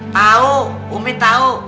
tahu umi tahu